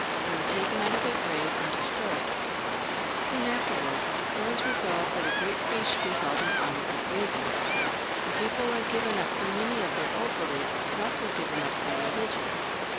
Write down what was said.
They were taken out of their graves and destroyed. Soon after, it was resolved that a great feast should be held in honour of Reason. The people who had given up so many of their old beliefs had also given up their religion.